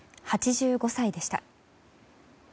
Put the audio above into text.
８５歳でした。